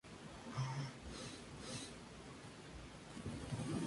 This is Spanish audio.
Hacia el final de la contienda ostentaba la graduación de teniente coronel.